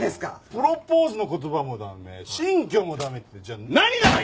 プロポーズの言葉もダメ新居もダメってじゃあ何ならいいんだ！